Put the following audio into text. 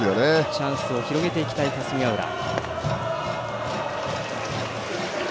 チャンスを広げていきたい霞ヶ浦。